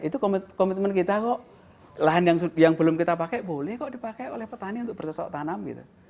itu komitmen kita kok lahan yang belum kita pakai boleh kok dipakai oleh petani untuk bercosok tanam gitu